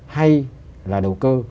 hay là đầu cơ